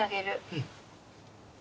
うん。